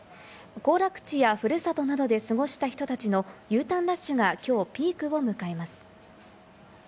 行楽地やふるさとなどで過ごした人たちのＵターンラッシュが今日ピークを迎えます。